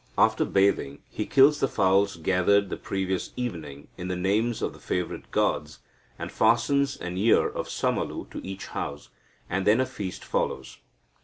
After bathing, he kills the fowls gathered the previous evening in the names of the favourite gods, and fastens an ear of samalu to each house, and then a feast follows.